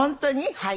はい。